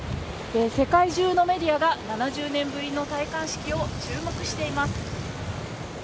世界中のメディアが７０年ぶりの戴冠式を注目しています。